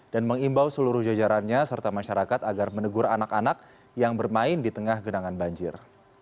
dan mengimbau seluruh jajarannya serta masyarakat agar menegur anak anak yang bermain di tengah genangan banjir